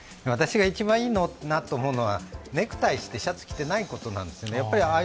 私が一番いいなと思うのはネクタイしてシャツ着てないことなんですね。